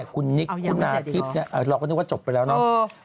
คุณนิกคุณาทิพย์เราก็นึกว่าจบไปแล้วเนาะ